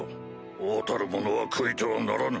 王たる者は悔いてはならぬ。